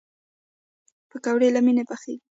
پکورې له مینې پخېږي